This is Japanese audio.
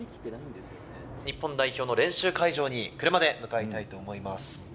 日本代表の練習会場に車で向かいたいと思います。